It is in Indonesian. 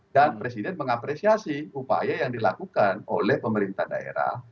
dan presiden mengapresiasi upaya yang dilakukan oleh pemerintah daerah